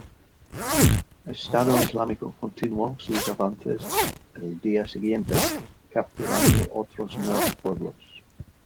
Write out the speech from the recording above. Estado Islámico continuó sus avances el día siguiente, capturando otros nueve pueblos.